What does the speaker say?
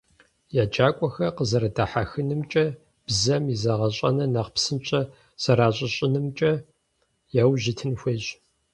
ЕджакӀуэхэр къэзэрыдэхьэхынымкӀэ, бзэм и зэгъэщӀэныр нэхъ псынщӀэ зэращыщӀынымкӀэ яужь итын хуейщ.